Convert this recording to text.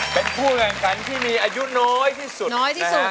เป็นผู้เงินกันที่มีอายุน้อยที่สุด